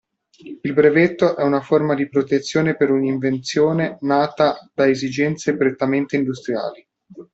Il brevetto è una forma di protezione per un'invenzione nata da esigenze prettamente industriali.